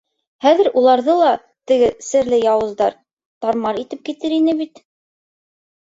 Хәҙер уларҙы ла теге серле яуыздар тар-мар итеп китер ине бит!